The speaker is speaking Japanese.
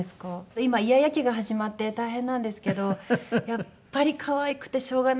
今イヤイヤ期が始まって大変なんですけどやっぱり可愛くてしょうがないです。